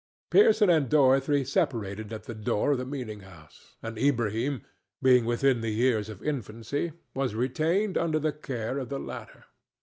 Pearson and Dorothy separated at the door of the meeting house, and Ilbrahim, being within the years of infancy, was retained under the care of the latter.